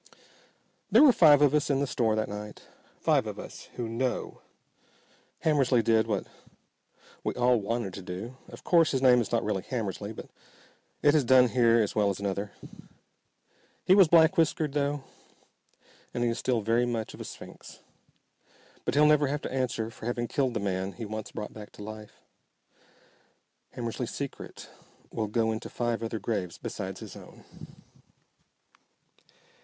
There were five of us in the store that night. Five of us who know. Hammersly did what we all wanted to do. Of course his name is not really Hammersly, but it has done here as well as another. He is black whiskered though, and he is still very much of a sphinx, but he'll never have to answer for having killed the man he once brought back to life. Hammersly's secret will go into five other graves besides his own.